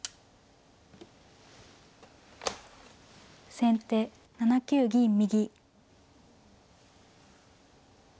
先手７九銀右。